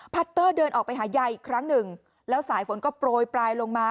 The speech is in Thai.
เตอร์เดินออกไปหายายอีกครั้งหนึ่งแล้วสายฝนก็โปรยปลายลงมา